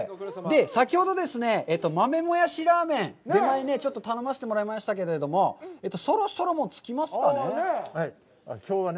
先ほどですね、豆もやしラーメン、出前でちょっと頼ませてもらいましたけれども、そろそろつきますかね？